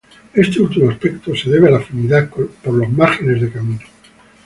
Este último aspecto se debe a la afinidad por los márgenes de caminos.